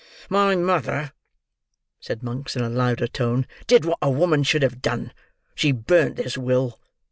"My mother," said Monks, in a louder tone, "did what a woman should have done. She burnt this will.